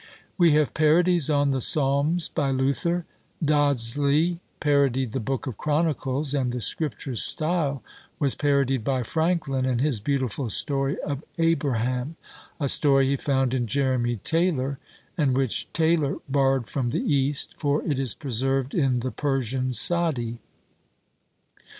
We have parodies on the Psalms by Luther; Dodsley parodied the book of Chronicles, and the scripture style was parodied by Franklin in his beautiful story of Abraham; a story he found in Jeremy Taylor, and which Taylor borrowed from the East, for it is preserved in the Persian Sadi.